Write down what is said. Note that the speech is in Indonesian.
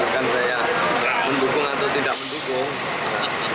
kan saya mendukung atau tidak mendukung